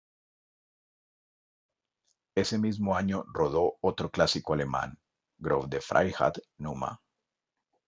Ese mismo año rodó otro clásico alemán, "Große Freiheit Nr.